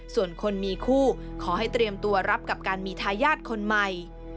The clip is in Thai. ส่วนคนมีคู่ขอให้เตรียมตัวรับกับการมีทายาทคนใหม่